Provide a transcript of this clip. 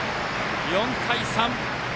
４対３。